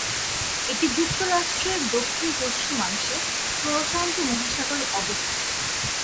এটি যুক্তরাষ্ট্রের দক্ষিণ-পশ্চিমাংশে, প্রশান্ত মহাসাগরে অবস্থিত।